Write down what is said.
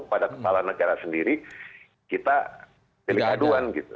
pada kepala negara sendiri kita delik aduan gitu